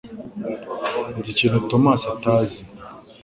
Nzi ikintu Tomasi atazi